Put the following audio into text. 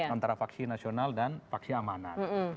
antara faksi nasional dan faksi amanat